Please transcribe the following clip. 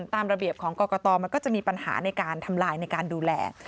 ตามระเบียบของกรกตมันก็จะมีปัญหาในการทำลายในการดูแล